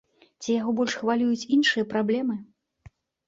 Ці яго больш хвалююць іншыя праблемы.